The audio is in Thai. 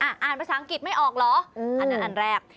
อ่านภาษาอังกฤษไม่ออกเหรออันนั้นอันแรก